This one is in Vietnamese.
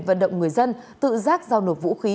vận động người dân tự giác giao nộp vũ khí